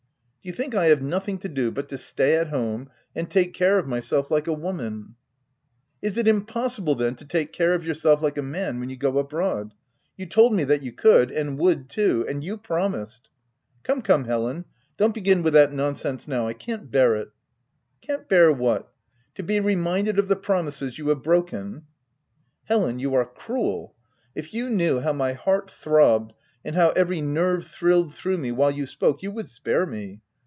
" Do you think I have nothing to do but to stay at home and take care of myself like a woman ?"" Is it impossible then, to take care of your self like a man when you go abroad ? You told me that you could — and would too ; and you promised —"" Come, come, Helen, don't begin with that nonsense now ; I can't bear it." €t Can't bear what ?— to be reminded of the promises you have broken?" " Helen, you are cruel. If you knew how my heart throbbed, and how every nerve thrilled through me while you spoke, you would spare me.